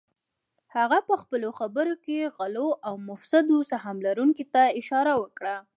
هغه پهخپلو خبرو کې غلو او مفسدو سهم لرونکو ته اشاره وکړه